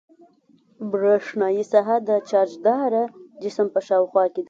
برېښنايي ساحه د چارجداره جسم په شاوخوا کې ده.